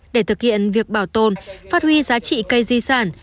để thực hiện việc bảo tồn phát huy giá trị cây di sản